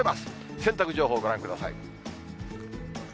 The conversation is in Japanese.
洗濯情報、ご覧ください。